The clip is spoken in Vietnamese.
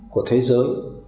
của thế giới